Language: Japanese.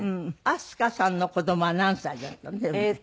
明日香さんの子供は何歳だったの？